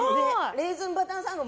レーズンバターサンド